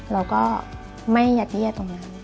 เราก็ไม่ใยแย่ตรงนั้น